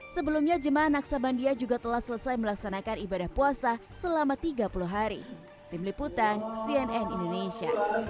sebelumnya jemaah naksabandia juga telah selesai melaksanakan ibadah puasa selama tiga puluh hari